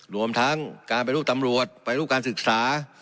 รวมทั้งการเป็นรูปตำรวจไปรูปการศึกษา